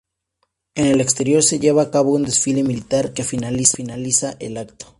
En el exterior, se lleva a cabo un desfile militar que finaliza el acto.